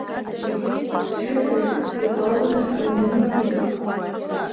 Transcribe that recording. Сшәыҳәоит, иҟалозар ҩ-минуҭ заҵәык!